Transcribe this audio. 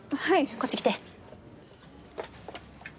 こっち来て。